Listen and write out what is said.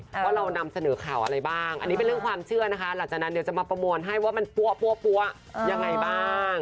ว่าเรานำเสนอข่าวอะไรบ้างอันนี้เป็นเรื่องความเชื่อนะคะหลังจากนั้นเดี๋ยวจะมาประมวลให้ว่ามันปั๊วยังไงบ้าง